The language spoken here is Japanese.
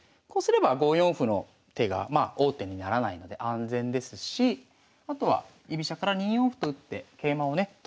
こうすれば５四歩の手が王手にならないので安全ですしあとは居飛車から２四歩と打って桂馬をね